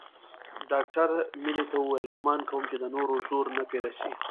ډاکتر مينې ته وويل ګومان کوم چې د نورو زور نه پې رسي.